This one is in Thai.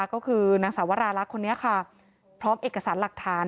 ก็คือนางสาวราลักษณ์คนนี้ค่ะพร้อมเอกสารหลักฐาน